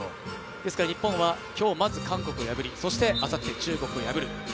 ですから日本は今日まず韓国を破りあさって中国を破る。